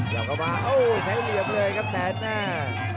เดี๋ยวก็มาโอ้ใช้เหลี่ยมเลยครับแสนหน้า